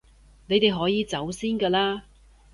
你哋可以走先㗎喇